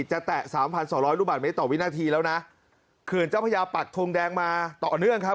จะแตะ๓๒๐๐ลูกบัตรเมตต์ต่อวินาทีแล้วนะเขื่อนเจ้าพระยาปัดทรงแดงมาต่อเนื่องครับ